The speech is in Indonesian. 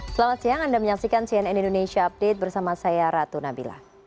selamat siang anda menyaksikan cnn indonesia update bersama saya ratu nabila